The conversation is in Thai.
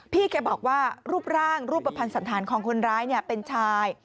พี่แกบอกว่ารูปร่างรูปภัณฑ์สันธารของคนร้ายเป็นชาย